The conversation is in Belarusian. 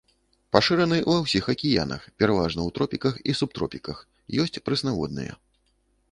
Пашыраны ва ўсіх акіянах, пераважна ў тропіках і субтропіках, ёсць прэснаводныя.